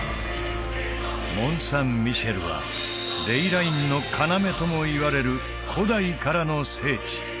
モン・サン・ミシェルはレイラインの要ともいわれる古代からの聖地